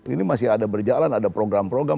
ini masih ada berjalan ada program program